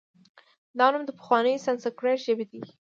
دا نوم د پخوانۍ سانسکریت ژبې دی